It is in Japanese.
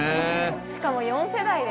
しかも４世代で。